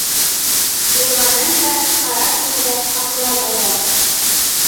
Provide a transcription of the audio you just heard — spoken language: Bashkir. Булғанын да ҡара көнгә һаҡлай әҙәм.